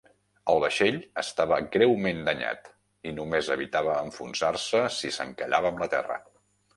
El vaixell estava greument danyat i només evitava enfonsar-se si s'encallava amb la terra.